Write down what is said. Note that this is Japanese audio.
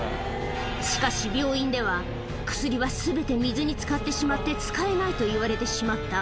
しかし、病院では、薬はすべて水につかってしまって使えないと言われてしまった。